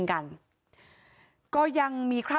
กับคุณเนติชา